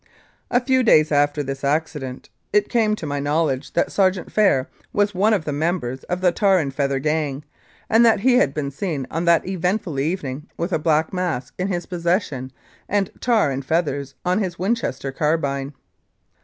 A few days after this accident it came to my know ledge that Sergeant Phair was one of the members of the tar and feather gang, and that he had been seen on that eventful evening with a black mask in his possession and tar and feathers on his Winchester carbine.